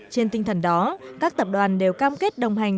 trên tinh thần đó các tập đoàn đều cam kết đồng hành